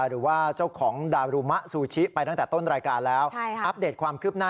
หรือว่าเจ้าของดารุมะซูชิไปตั้งแต่ต้นรายการแล้วอัปเดตความคืบหน้า